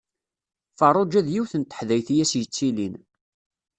Ferruǧa d yiwet n teḥdayt i as-yettilin.